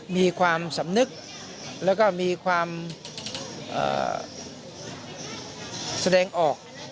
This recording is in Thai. มีความสำนึกแล้วก็มีความแสดงออก